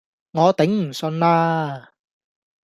我頂唔順啦